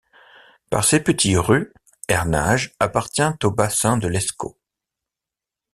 Par ses petits rus, Ernage appartient au bassin de l'Escaut.